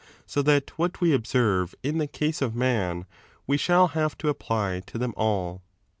So that what we observe in the case of man, we shall have to apply to them all.